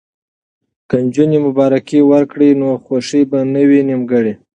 که نجونې مبارکي ورکړي نو خوښي به نه وي نیمګړې.